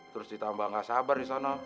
terus ditambah nggak sabar di sana